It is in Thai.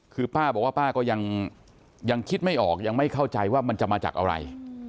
คือป้าบอกว่าป้าก็ยังคิดไม่ออกยังไม่เข้าใจว่ามันจะมาจากอะไร